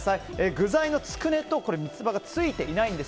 具材のつくねと三つ葉がついていないんです